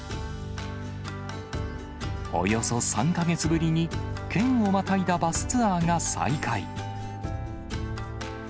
およそ３か月ぶりに、県をまたいだバスツアーが再開。